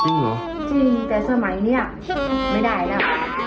นมอีกตั้ง๓๔แพ็คเลยนะ